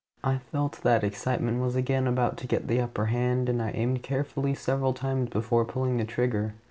] I felt that excitement was again about to get the upper hand, and I aimed carefully several times before pulling trigger.